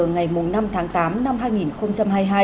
ngày năm tháng tám năm hai nghìn hai mươi hai